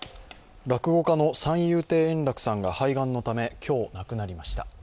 落語家の三遊亭円楽さんが肺がんのため今日、亡くなりました。